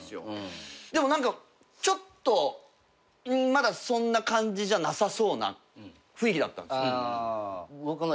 でも何かちょっとまだそんな感じじゃなさそうな雰囲気だったんですよ。